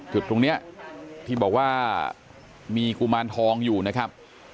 จุดตรงนี้ที่บอกว่ามีกุมารทองอยู่นะครับ